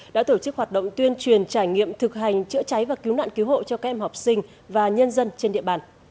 đã tổ chức hoạt động tuyên truyền trải nghiệm thực hành chữa cháy và cứu nạn cứu hộ cho các em học sinh và nhân dân trên địa bàn